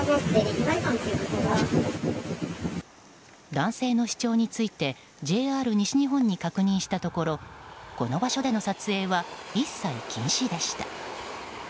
男性の主張についてＪＲ西日本に確認したところこの場所での撮影は一切禁止でした。